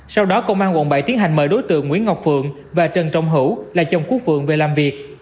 sau đó công an quận bảy tiến hành mời đối tượng nguyễn ngọc phượng và trần trọng hữu là chồng của phượng về làm việc